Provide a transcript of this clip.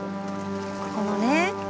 ここのね